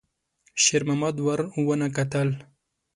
شېرمحمد ور ونه کتل.